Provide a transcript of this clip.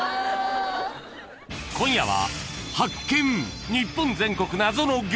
［今夜は］